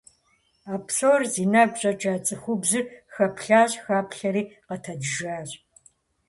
А псор зи нэгу щӀэкӀа цӀыхубзыр, хэплъэщ-хэплъэри, къэтэджыжащ.